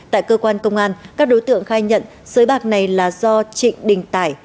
tại cơ quan công an các đối tượng khai nhận sới bạc này là do trịnh đình tải